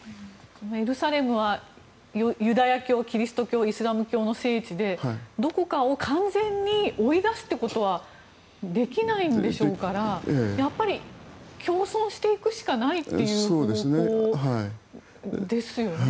エルサレムはユダヤ教、キリスト教イスラム教の聖地でどこかを完全に追い出すことはできないでしょうからやっぱり、共存していくしかないという方向ですよね。